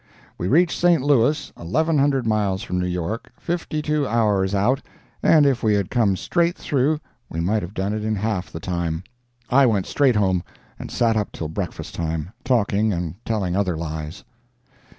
We reached St. Louis, eleven hundred miles from New York, fifty two hours out, and if we had come straight through we might have done it in half the time. I went straight home and sat up till breakfast time, talking and telling other lies.